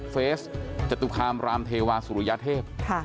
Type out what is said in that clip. เฟสจตุคามรามเทวาสุริยเทพ